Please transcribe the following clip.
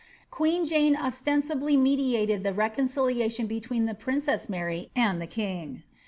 Queen Jane ostensibly mediated the reconciliation between the prinoesi Mary and the king.